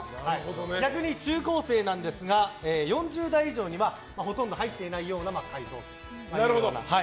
逆に中高生なんですが４０代以上にはほとんど入っていないような回答が。